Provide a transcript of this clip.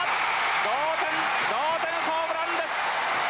同点同点ホームランです。